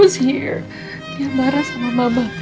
dia marah sama mama